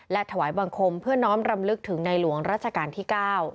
และถวายบังคมเพื่อน้อมรำลึกถึงในหลวงราชการที่๙